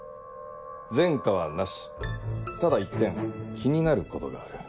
前科はなしただ一点気になることがある。